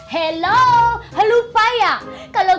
kalau gara gara beli buku di tempat loakan